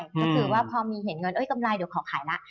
ก็คือว่าพอมีเห็นเงินกำไรเดี๋ยวขอขายละ